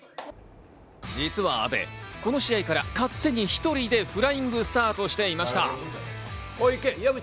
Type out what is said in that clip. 実は阿部、この試合から勝手に一人でフライングスタートしていました。